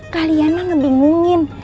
kalian lah ngebingungin